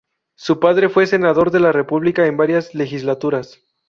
Su padre fue senador de la República en varias legislaturas.